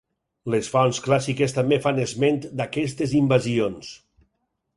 Les fonts clàssiques també fan esment d'aquestes invasions.